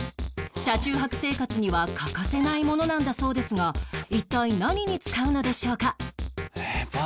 車中泊生活には欠かせないものなんだそうですが一体何に使うのでしょうか？